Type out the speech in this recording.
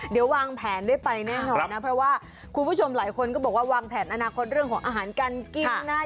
เดี๋ยววางแผนได้ไปแน่นอนนะเพราะว่าคุณผู้ชมหลายคนก็บอกว่าวางแผนอนาคตเรื่องของอาหารการกินนะ